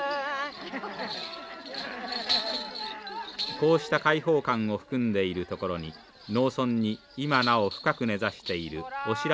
こうした開放感を含んでいるところに農村に今なお深く根ざしているオシラ